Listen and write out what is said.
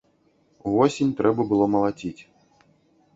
Увосень трэба было малаціць.